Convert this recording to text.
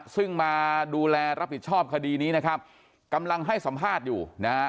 ซึ่งมาดูแลรับผิดชอบคดีนี้นะครับกำลังให้สัมภาษณ์อยู่นะฮะ